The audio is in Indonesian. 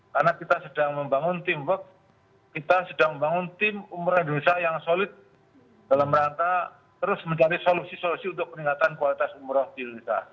karena kita sedang membangun tim work kita sedang membangun tim umroh indonesia yang solid dalam merata terus mencari solusi solusi untuk peningkatan kualitas umroh di indonesia